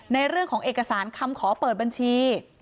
ในเรื่องของเอกสารคำขอเปิดบัญชี